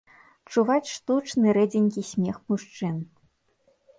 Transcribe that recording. Чуваць штучны рэдзенькі смех мужчын.